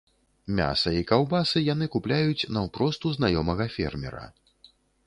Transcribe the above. Мяса і каўбасы яны купляюць наўпрост у знаёмага фермера.